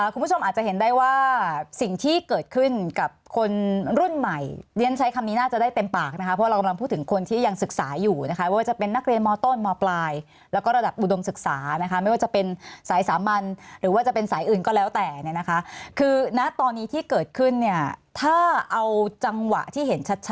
คุณผู้ชมอาจจะเห็นได้ว่าสิ่งที่เกิดขึ้นกับคนรุ่นใหม่เรียนใช้คำนี้น่าจะได้เต็มปากนะคะเพราะเรากำลังพูดถึงคนที่ยังศึกษาอยู่นะคะว่าจะเป็นนักเรียนมต้นมปลายแล้วก็ระดับอุดมศึกษานะคะไม่ว่าจะเป็นสายสามัญหรือว่าจะเป็นสายอื่นก็แล้วแต่เนี่ยนะคะคือณตอนนี้ที่เกิดขึ้นเนี่ยถ้าเอาจังหวะที่เห็นชัด